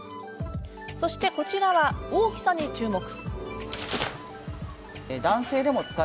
そして、こちらは大きさに注目。